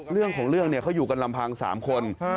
เรื่องของเรื่องเนี่ยเขาอยู่กันลำพัง๓คน